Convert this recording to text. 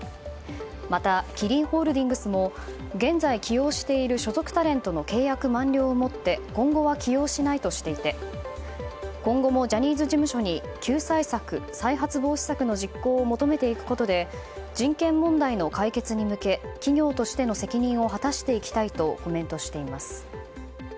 またキリンホールディングスも現在起用している所属タレントの契約満了をもって今後は起用しないとしていて今後もジャニーズ事務所に救済策、再発防止策の実行を求めていくことで人権問題の解決に向け企業としての責任を果たしていきたいとコメントしています。